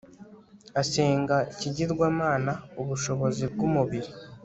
Asenga ikigirwamana Ubushobozi bwumubiri